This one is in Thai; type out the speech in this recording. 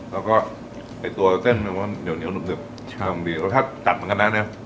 แล้วก็ไอตัวเส้นมีวอ่อนเหนียวเหนียวดืบดีของมันรัสชาติจัดเหมือนกันน่ะเนี้ย